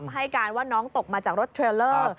ให้การว่าน้องตกมาจากรถเทรลเลอร์